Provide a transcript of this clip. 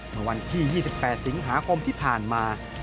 เมื่อวันที่๒๘สิงหาคมที่ผ่านมา